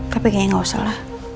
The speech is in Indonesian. tapi kayaknya enggak usahlah